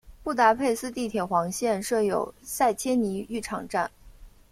布达佩斯地铁黄线设有塞切尼浴场站。